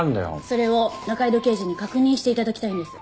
それを仲井戸刑事に確認して頂きたいんです。